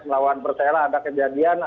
melawan persela ada kejadian